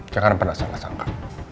jangan pernah salah sangka